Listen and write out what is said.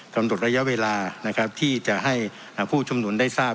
กำหนดระยะเวลานะครับที่จะให้ผู้ชุมนุมได้ทราบ